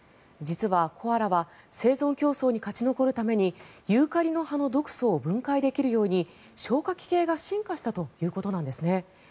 実は、コアラは生存競争に勝ち残るためにユーカリの葉の毒素を分解できるように消化器系が進化したということなんですね。